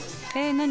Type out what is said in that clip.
何？